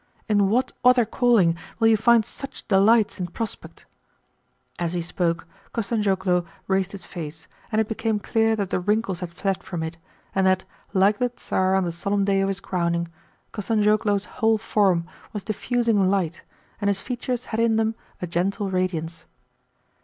In what other calling will you find such delights in prospect?" As he spoke, Kostanzhoglo raised his face, and it became clear that the wrinkles had fled from it, and that, like the Tsar on the solemn day of his crowning, Kostanzhoglo's whole form was diffusing light, and his features had in them a gentle radiance.